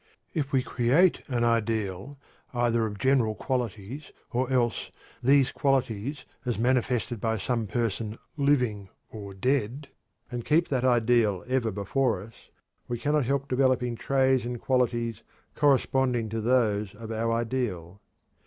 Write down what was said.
If we create an ideal, either of general qualities or else these qualities as manifested by some person living or dead, and keep that ideal ever before us, we cannot help developing traits and qualities corresponding to those of our ideal.